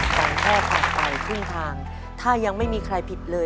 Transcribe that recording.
แต่แค่ผ่านไปครึ่งทางถ้ายังไม่มีใครผิดเลย